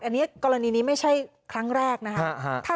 อันนี้กรณีนี้ไม่ใช่ครั้งแรกนะครับ